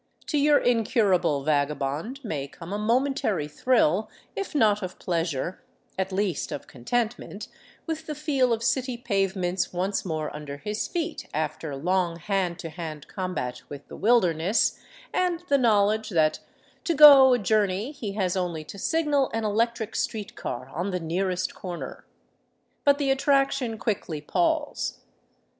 To your incurable vagabond may come a momentary thrill, if not of pleasure, at least of contentment, with the feel of city pavements once more under his feet after long hand to hand combat with the wilderness, and the knowledge that to go a journey he has only to signal an elec tric street car on the nearest corner. But the attraction quickly palls.